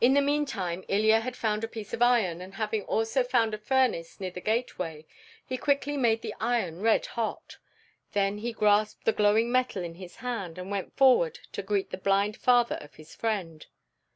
In the meantime Ilya had found a piece of iron, and having also found a furnace near the gate way, he quickly made the iron red hot. Then he grasped the glowing metal in his hand and went forward to greet the blind father of his friend.